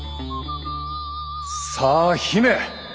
さあ姫！